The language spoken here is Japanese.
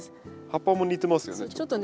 葉っぱも似てますよね。